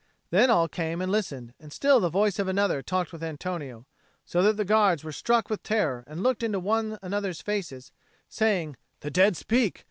Then all came and listened; and still the voice of another talked with Antonio; so that the guards were struck with terror and looked in one another's faces, saying, "The dead speak!